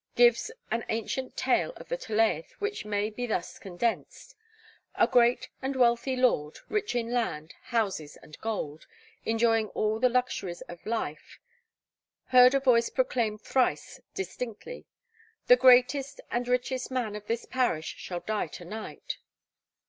gives an ancient tale of the Tolaeth which may be thus condensed: A great and wealthy lord, rich in land, houses and gold, enjoying all the luxuries of life, heard a voice proclaim thrice distinctly: 'The greatest and richest man of this parish shall die to night.'